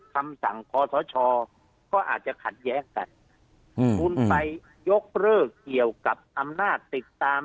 คำสั่งคอสชก็อาจจะขัดแย้งกันคุณไปยกเลิกเกี่ยวกับอำนาจติดตาม